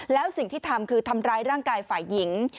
แล้วสิ่งที่ทำคือทำร้ายร่างกายฝ่ายหญิง